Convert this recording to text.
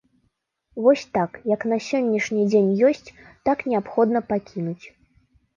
Вось так, як на сённяшні дзень ёсць, так неабходна пакінуць.